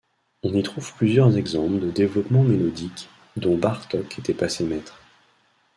On y trouve plusieurs exemples de développement mélodique, dont Bartók était passé maître.